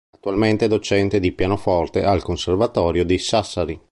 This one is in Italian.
Attualmente è docente di Pianoforte al Conservatorio di Sassari.